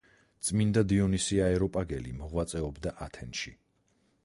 წმიდა დიონისე არეოპაგელი მოღვაწეობდა ათენში.